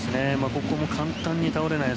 ここも簡単に倒れない。